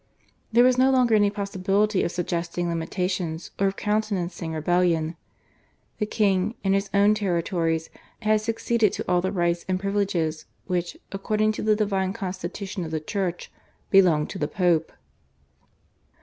There was no longer any possibility of suggesting limitations or of countenancing rebellion. The king, in his own territories, had succeeded to all the rights and privileges which, according to the divine constitution of the Church, belonged to the Pope.